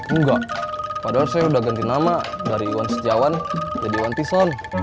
enggak padahal saya sudah ganti nama dari iwan setiawan jadi wantison